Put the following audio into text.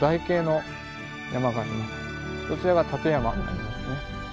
そちらが立山になりますね。